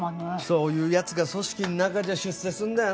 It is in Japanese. そういう奴が組織の中じゃ出世するんだよな。